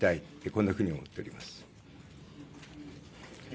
こんなふうに思っております。